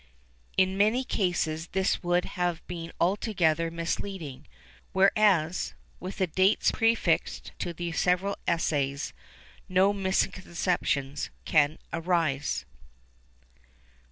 In many cases this would have been altogether misleading, whereas, with the dates prefixed to the several Essays, no misconceptions can arise.